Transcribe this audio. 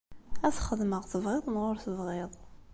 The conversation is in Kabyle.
Ad t-xedmeɣ, tebɣiḍ neɣ ur tebɣiḍ.